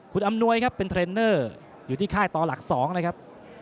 คุณอำนวยครับเป็นเทรนเนอร์อยู่ที่ค่ายต่อหลัก๒นะครับ